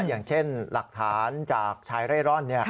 อย่างเช่นหลักฐานจากชายเร่ร่อน